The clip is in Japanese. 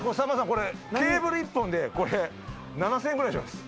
これケーブル１本でこれ７０００円ぐらいします